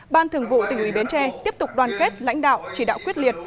ban thường vụ tỉnh ủy bến tre tiếp tục đoàn kết lãnh đạo chỉ đạo quyết liệt